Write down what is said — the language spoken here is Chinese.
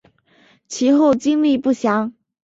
其后经历不详。